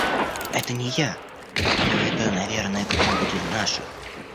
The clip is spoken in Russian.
– Это не я. Но это, наверное, кто-нибудь из наших.